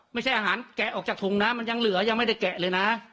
ไม่ใช่อาหารแกะออกจากถุงนะมันยังเหลือยังไม่ได้แกะเลยนะ